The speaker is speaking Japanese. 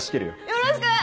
よろしく！